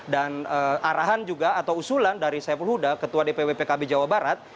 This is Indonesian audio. dan arahan juga atau usulan dari saiful huda ketua dpw pkb jawa barat